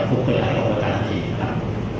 โปรดติดตามตอนต่อไป